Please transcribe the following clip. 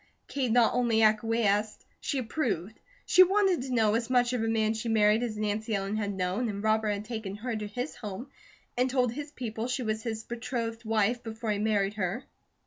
Kate not only acquiesced, she approved. She wanted to know as much of a man she married as Nancy Ellen had known, and Robert had taken her to his home and told his people she was his betrothed wife before he married her.